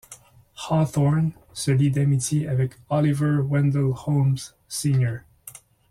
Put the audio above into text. Hawthorne se lie d'amitié avec Oliver Wendell Holmes, Sr.